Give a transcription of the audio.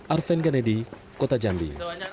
arvan genedi kota jambi